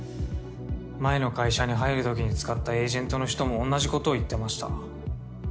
前の会社に入るときに使ったエージェントの人も同じことを言ってました。